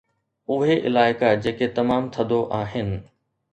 اهي علائقا جيڪي تمام ٿڌو آهن